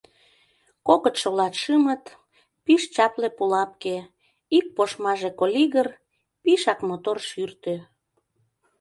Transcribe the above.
— Кокытшо латшымыт, пиш чапле пулапке... ик пошмаже колигыр, пишак мотор шӱртӧ...